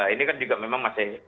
ini kan juga memang masih